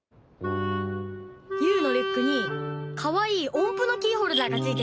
ユウのリュックにかわいいおんぷのキーホルダーがついてたんだよ！